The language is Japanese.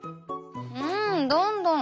うんどんどん。